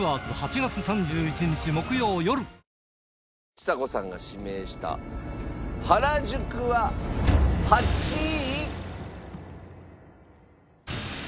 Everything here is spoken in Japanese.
ちさ子さんが指名した原宿は８位。